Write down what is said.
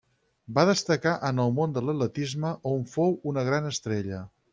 Va destacar en el món de l'atletisme, on fou una gran estrella.